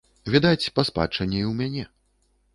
Відаць, па спадчыне і ў мяне.